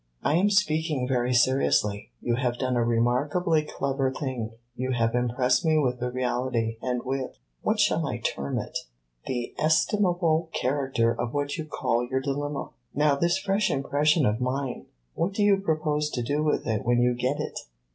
"I am speaking very seriously. You have done a remarkably clever thing. You have impressed me with the reality, and with what shall I term it? the estimable character of what you call your dilemma. Now this fresh impression of mine what do you propose to do with it when you get it?"